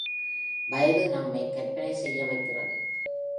வயது நம்மை கற்பனை செய்ய வைக்கிறது.